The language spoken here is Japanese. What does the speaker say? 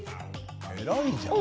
偉いじゃん。